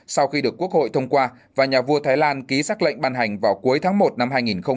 sau khi được quốc hội thông qua và nhà vua thái lan ký xác lệnh ban hành vào cuối tháng một năm hai nghìn hai mươi